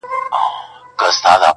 شپه او ورځ به په رنځور پوري حیران وه-